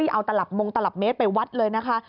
เอาตลับมงตลับเมตรไปวัดเลยนะคะ